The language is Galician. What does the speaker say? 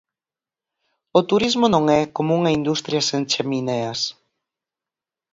O turismo non é como unha industria sen chemineas.